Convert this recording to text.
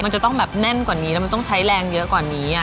มันจะต้องแบบแน่นกว่านี้แล้วมันต้องใช้แรงเยอะกว่านี้